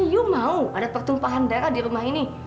you mau ada pertumpahan darah di rumah ini